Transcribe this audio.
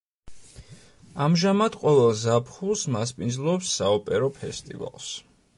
ამჟამად, ყოველ ზაფხულს მასპინძლობს საოპერო ფესტივალს.